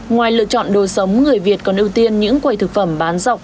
ngoài lựa chọn đồ sống người việt còn ưu tiên những quầy thực phẩm bán dọc